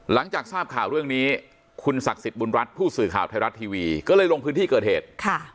หลังจากทราบข่าวเรื่องนี้คุณศักดิ์สิทธิ์บุญรัฐผู้สื่อข่าวไทยรัฐทีวีก็เลยลงพื้นที่เกิดเหตุ